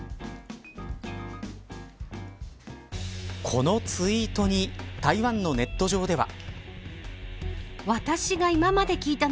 このツイートに台湾のネット上では。